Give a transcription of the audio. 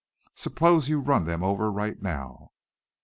Suppose you run them over right now?"